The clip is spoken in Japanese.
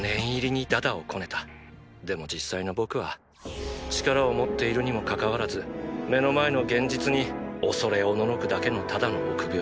でも実際の僕は力を持っているにもかかわらず目の前の現実に恐れ慄くだけのただの臆病者。